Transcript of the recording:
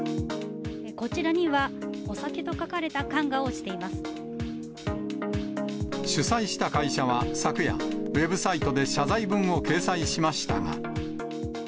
こちらには、主催した会社は昨夜、ウェブサイトで謝罪文を掲載しましたが。